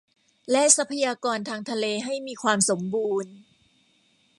และทรัพยากรทางทะเลให้มีความสมบูรณ์